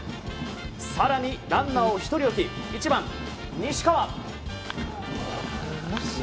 更に、ランナーを１人置き１番、西川。